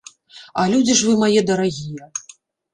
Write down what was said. А людзі ж вы мае дарагія!